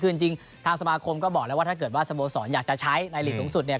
คือจริงทางสมาคมก็บอกแล้วว่าถ้าเกิดว่าสโมสรอยากจะใช้ในหลีกสูงสุดเนี่ย